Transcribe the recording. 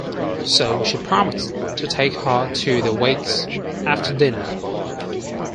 So she promised to take her to the wakes after dinner.